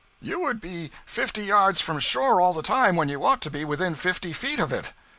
You would be fifty yards from shore all the time when you ought to be within fifty feet of it.